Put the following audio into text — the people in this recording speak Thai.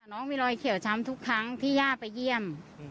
น้องมีรอยเขียวช้ำทุกครั้งที่ย่าไปเยี่ยม